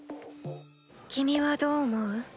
君はどう思う？